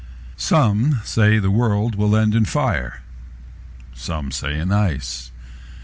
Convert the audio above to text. SOME say the world will end in fire, Some say in ice.